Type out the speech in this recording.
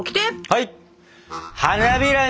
はい！